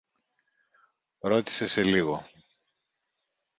ρώτησε σε λίγο.